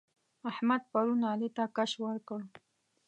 احمد پرون علي ته کش ورکړ.